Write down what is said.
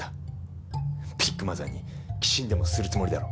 ビッグマザーに寄進でもするつもりだろう。